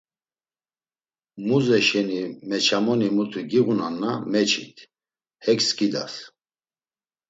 Muze şeni meçamoni mutu giğunanna meçit, hek skidas.